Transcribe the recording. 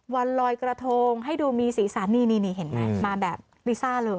วันลอยกระทงให้ดูมีสีสันนี่เห็นไหมมาแบบลิซ่าเลย